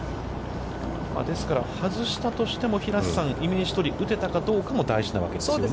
ですから、外したとしても平瀬さん、イメージどおり、打てたかどうかも大事なわけですね。